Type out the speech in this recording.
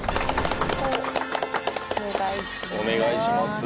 お願いします。